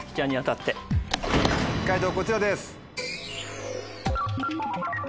解答こちらです。